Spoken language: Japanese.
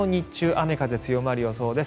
雨風強まる予想です。